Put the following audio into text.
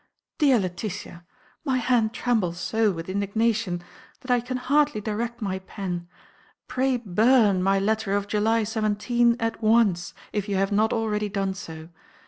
DEAR LETITIA,—My hand trembles so with indignation that I can hardly direct my pen. Pray burn my letter of July 17 at once, if you have not already done so.